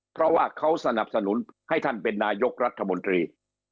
เพราะว่าเขาสนับสนุนให้ท่านเป็นนายกรัฐมนตรี